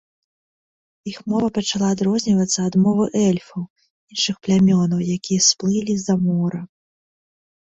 Іх мова пачала адрознівацца ад мовы эльфаў іншых плямёнаў, якія сплылі за мора.